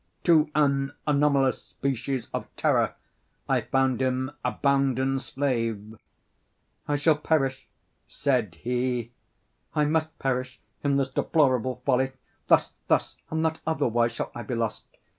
To an anomalous species of terror I found him a bounden slave. "I shall perish," said he, "I must perish in this deplorable folly. Thus, thus, and not otherwise, shall I be lost.